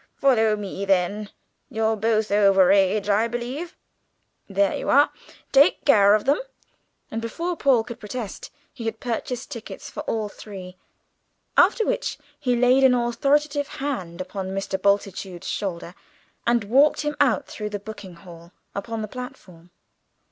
follow me then. You're both over age, I believe. There you are; take care of them." And before Paul could protest, he had purchased tickets for all three, after which he laid an authoritative hand upon Mr. Bultitude's shoulder and walked him out through the booking hall upon the platform.